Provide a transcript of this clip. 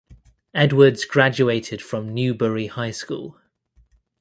Edwards graduated from Newberry High School.